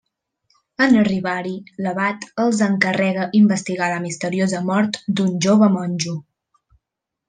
En arribar-hi, l'abat els encarrega investigar la misteriosa mort d'un jove monjo.